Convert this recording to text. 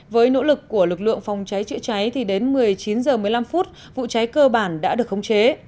với nỗ lực của lực lượng phòng cháy chữa cháy thì đến một mươi chín h một mươi năm vụ cháy cơ bản đã được khống chế